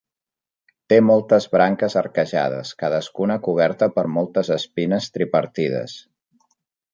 Té moltes branques arquejades, cadascuna coberta per moltes espines tripartides.